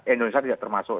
indonesia tidak termasuk